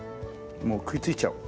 もう食いついちゃおう。